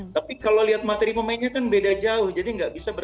tapi kalau lihat materi pemainnya kan beda jauh